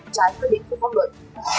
trái quyết định của pháp luật